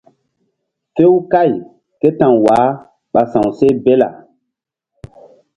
Few kày ké ta̧w wah ɓa sa̧wseh bela.